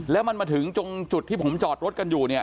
แล้วมันมาถึงตรงจุดที่ผมจอดรถกันอยู่เนี่ย